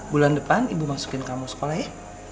bulan depan ibu masukin kamu sekolah ya